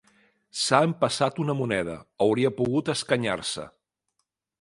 S'ha empassat una moneda: hauria pogut escanyar-se.